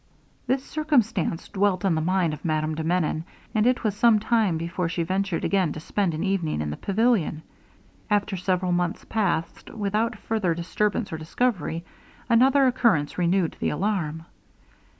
This circumstance dwelt on the mind of Madame de Menon, and it was some time before she ventured again to spend an evening in the pavilion. After several months passed, without further disturbance or discovery, another occurrence renewed the alarm.